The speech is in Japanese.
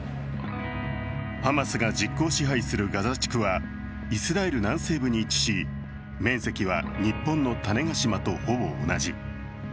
ハマスが実効支配するガザ地区はイスラエル南西部に位置し面積は日本の種子島とほぼ同じ。